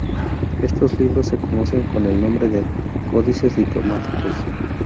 Estos libros se conocen con el nombre de "códices diplomáticos".